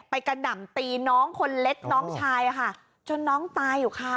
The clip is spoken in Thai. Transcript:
กระหน่ำตีน้องคนเล็กน้องชายค่ะจนน้องตายอยู่ค่ะ